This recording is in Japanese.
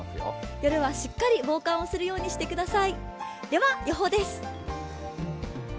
夜はしっかり防寒をするようにしてください。